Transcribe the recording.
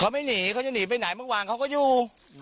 เขาไม่หนีเขาจะหนีไปไหนเมื่อวานเขาก็อยู่